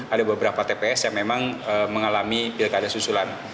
ada beberapa tps yang memang mengalami pilkada susulan